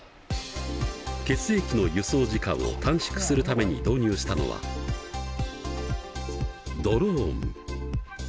血液の輸送時間を短縮するために導入したのはドローン！